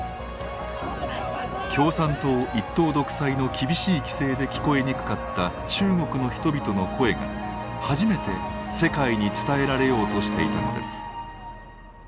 共産党一党独裁の厳しい規制で聞こえにくかった中国の人々の声が初めて世界に伝えられようとしていたのです。